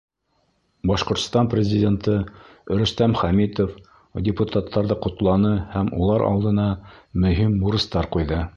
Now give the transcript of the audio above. Башҡортостан Президенты Рөстәм Хәмитов депутаттарҙы ҡотланы һәм улар алдына мөһим бурыстар ҡуйҙы.